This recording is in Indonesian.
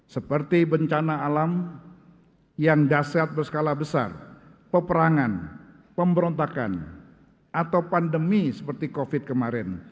seperti bencana alam yang dasyat berskala besar peperangan pemberontakan atau pandemi seperti covid kemarin